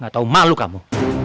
gak tau malu kamu